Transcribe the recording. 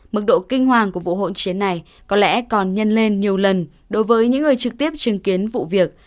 mức độ kinh hoàng của vụ hỗn chiến này có lẽ còn nhân lên nhiều lần đối với những người trực tiếp chứng kiến vụ việc